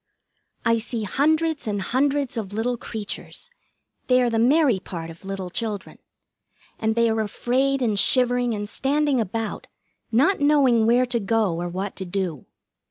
I see hundreds and hundreds of little creatures (they are the Mary part of little children), and they are afraid and shivering and standing about, not knowing where to go or what to do.